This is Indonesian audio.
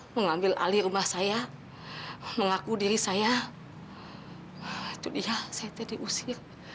mengambil alih rumah saya mengaku diri saya itu dia saya tidak diusir